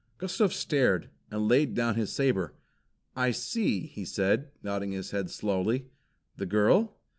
Gustav stared, and laid down his saber. "I see!" he said, nodding his head slowly. "The girl?"